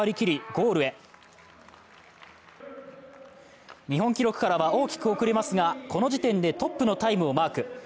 日本記録からは大きく遅れますが、この時点でトップのタイムをマーク。